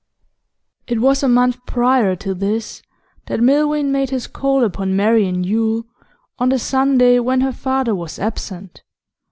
It was a month prior to this that Milvain made his call upon Marian Yule, on the Sunday when her father was absent.